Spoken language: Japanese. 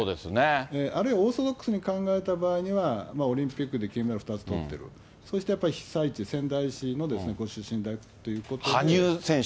あるいはオーソドックスに考えた場合には、オリンピックで金メダル２つとってる、そしてやっぱり被災地、仙羽生選手。